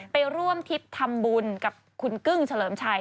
ไปร่วมทิพย์ทำบุญกับคุณกึกเฉริมชัย